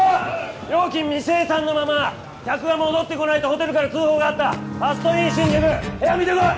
料金未精算のまま客が戻ってこないとホテルから通報があったファストイン新宿部屋見てこい！